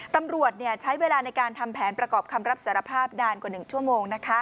ตำรวจใช้เวลาในการทำแผนประกอบคำรับสารภาพนานกว่า๑ชั่วโมง